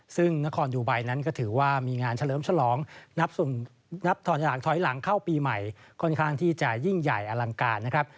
ซึ่งนครดูไบนั้นก็ถือว่ามีงานเฉลิมฉลองนับถอยหลังถอยหลังเข้าปีใหม่ค่อนข้างที่จะยิ่งใหญ่อลังการนะครับ